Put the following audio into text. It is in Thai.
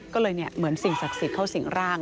ก็เลยเหมือนสิ่งศักดิ์สิทธิ์เข้าสิ่งร่าง